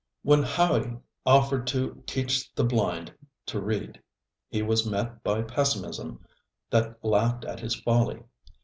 When Ha├╝y offered to teach the blind to read, he was met by pessimism that laughed at his folly.